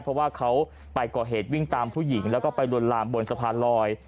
เพราะว่าเขาไปก่อเหตุวิ่งตามผู้หญิงแล้วก็ไปลวนลามบนสะพานลอย